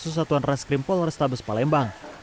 susatuan reskrim polrestabes palembang